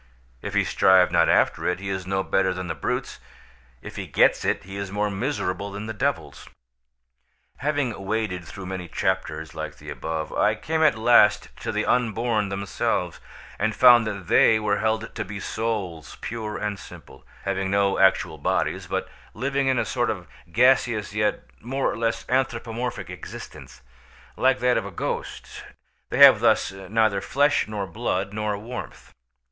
If he strive not after it he is no better than the brutes, if he get it he is more miserable than the devils. Having waded through many chapters like the above, I came at last to the unborn themselves, and found that they were held to be souls pure and simple, having no actual bodies, but living in a sort of gaseous yet more or less anthropomorphic existence, like that of a ghost; they have thus neither flesh nor blood nor warmth.